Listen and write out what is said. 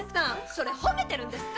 それほめてるんですかっ？